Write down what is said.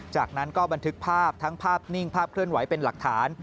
จากนั้นก็บันทึกภาพทั้งภาพนิ่งภาพเคลื่อนไหวเป็นหลักฐาน